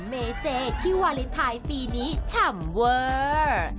เมเจที่วาเลนไทยปีนี้ฉ่ำเวอร์